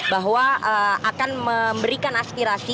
bahwa akan memberikan aspirasi